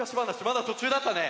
まだとちゅうだったね。